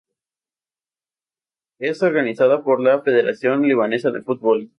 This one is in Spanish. Es organizada por la Federación Libanesa de Fútbol.